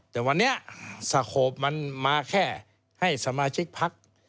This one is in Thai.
แต่วันนี้สโขปมันมาแค่ให้สมาชิกพัก